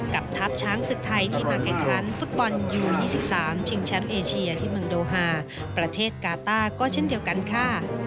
ทัพช้างศึกไทยที่มาแข่งขันฟุตบอลยู๒๓ชิงแชมป์เอเชียที่เมืองโดฮาประเทศกาต้าก็เช่นเดียวกันค่ะ